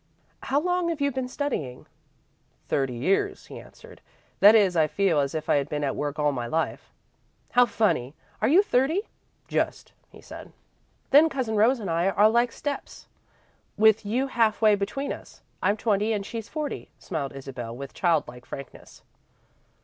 "How long have you been studying?" "Thirty years," he answered. "That is, I feel as if I had been at work all my life." "How funny!" exclaimed Isabel. "Are you thirty?" "Just," he said. "Then Cousin Rose and I are like steps, with you half way between us. I'm twenty and she's forty," smiled Isabel, with childlike frankness.